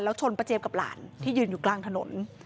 แล้วชนป้าเจียมกับหลานที่ยืนอยู่กลางถนน